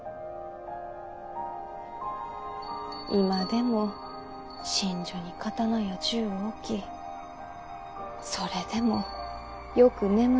今でも寝所に刀や銃を置きそれでもよく眠れぬご様子。